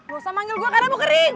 gak usah manggil gue kanebo kering